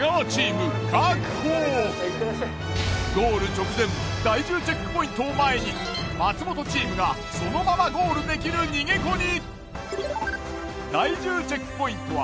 ゴール直前第１０チェックポイントを前に松本チームがそのままゴールできる逃げ子に。